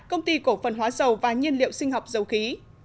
công ty cổ phần hóa dầu và nhiên liệu sinh học dầu khí